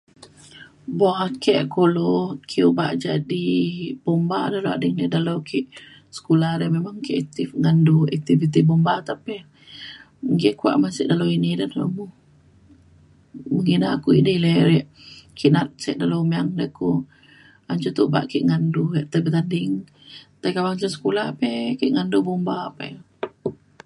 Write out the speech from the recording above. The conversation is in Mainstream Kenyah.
buk ake kulu ake obak jadi bomba de dalau ading di dalau ke sukula re memang ke active ngan du activity bomba. tapi [unintelligible] kuak sek dalau ini [unintelligible] pekina ku di le re ki na’at sek dulu muyan de ku an je te obak ke ngan du bertanding tei ke majan sekula pe ake ngan du bomba pe